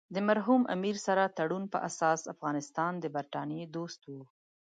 د مرحوم امیر سره تړون په اساس افغانستان د برټانیې دوست وو.